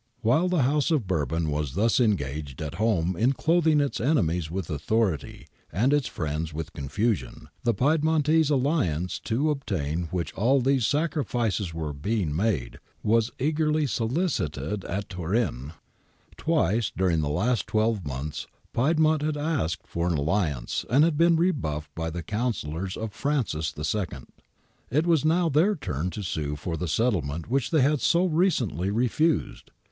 ^ While the House of Bourbon was thus engaged at home in clothing its enemies with authority and its friends with confusion, the Piedmontese alliance, to obtain which all these sacrifices were being made, was eagerly solicited at Turin. Twice during the last twelve months Piedmont had asked for an alliance and been rebuffed by the counsellors of Francis II ; it was now their turn to sue for the settlement which they had so recently refused.